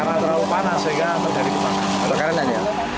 karena terlalu panas sehingga terjadi kebakaran